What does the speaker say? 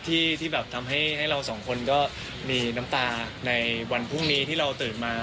ที่แบบทำให้เราสองคนก็มีน้ำตาในวันพรุ่งนี้ที่เราตื่นมา